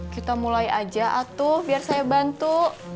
kita mulai aja atuh biar saya bantu